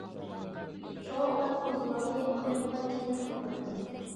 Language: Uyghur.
شۇڭا ئۇلار قوزغىلاڭنى «قالايمىقانچىلىق» دەپ ئاتىدى.